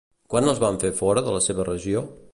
Quan els van fer fora de la seva regió?